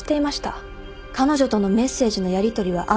彼女とのメッセージのやりとりはあの日です。